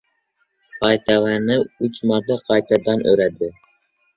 Paytavani uch marta qaytadan o‘radi.